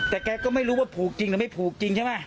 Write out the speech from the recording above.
แต่แกก็ไม่รู้ว่าผูกจริงหรือไม่ผูกจริงใช่ไหม